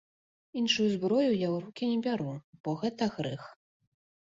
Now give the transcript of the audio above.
Іншую зброю я ў рукі не бяру, бо гэта грэх.